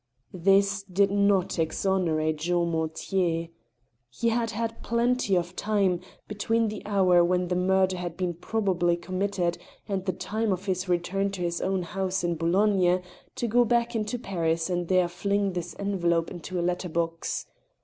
. This did not exonerate Jean Mortier. He had had plenty of time, between the hour when the murder had been probably com mitted and the time of his return to his own house in Boulogne, to go back into Paris and there fling this envelope into a letter box.